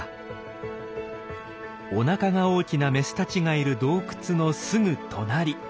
おなかが大きなメスたちがいる洞窟のすぐ隣。